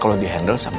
kenapa dihentikan aja